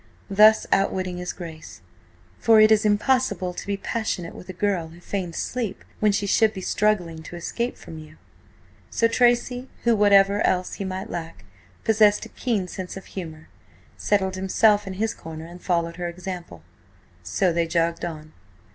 Thus outwitting his Grace. For it is impossible to be passionate with a girl who feigns sleep when she should be struggling to escape from you. So Tracy, who, whatever else he might lack, possessed a keen sense of humour, settled himself in his corner and followed her example. So they jogged on.